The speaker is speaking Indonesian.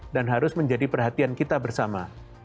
dan harus menjadi perhatian kita bersama